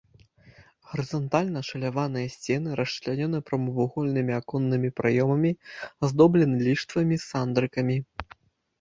Гарызантальна ашаляваныя сцены расчлянёны прамавугольнымі аконнымі праёмамі, аздоблены ліштвамі з сандрыкамі.